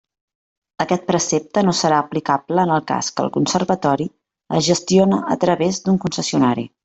Aquest precepte no serà aplicable en el cas que el conservatori es gestione a través d'un concessionari.